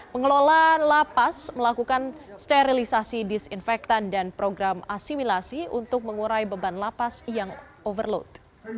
pengelola lapas melakukan sterilisasi disinfektan dan program asimilasi untuk mengurai beban lapas yang overload